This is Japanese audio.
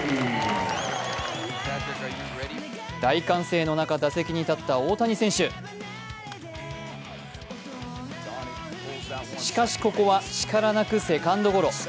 大歓声の中、打席に立った大谷選手しかし、ここは力なくセカンドゴロ。